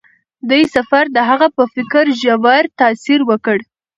دې سفر د هغه په فکر ژور تاثیر وکړ.